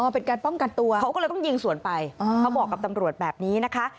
เป็นการป้องกันตัวเขาก็เลยต้องยิงสวนไปเขาบอกกับตำรวจแบบนี้นะคะ